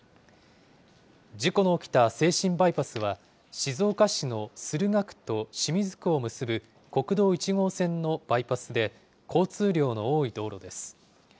事故の起きた静清バイパスは、静岡市の駿河区と清水区を結ぶ国道１号線のバイパスで、交通量の多い道路です。